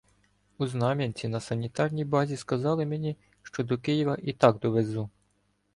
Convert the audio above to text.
У Знам'янці на санітарній базі сказали мені, що до Києва і так довезу.